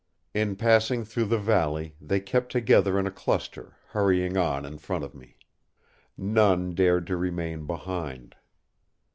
In passing through the valley they kept together in a cluster, hurrying on in front of me. None dared to remain behind.